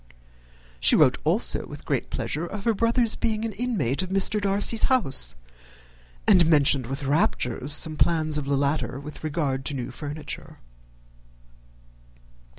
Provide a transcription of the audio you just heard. She wrote also with great pleasure of her brother's being an inmate of Mr. Darcy's house, and mentioned with raptures some plans of the latter with regard to new furniture.